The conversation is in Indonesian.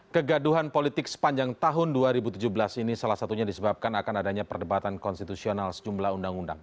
kegaduhan politik sepanjang tahun dua ribu tujuh belas ini salah satunya disebabkan akan adanya perdebatan konstitusional sejumlah undang undang